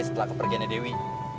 setelah kepergiannya dewi